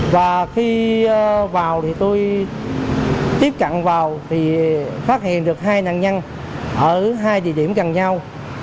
và khi vào thì tôi tiếp cận vào thì phát hiện được hai nạn nhân ở hai địa điểm gần nhau